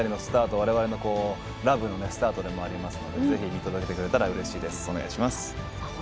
我々のスタートでもありますのでぜひ見ていただいたらうれしいです。